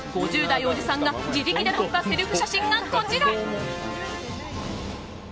５０代おじさんが自力で撮ったセルフ写真がこちら。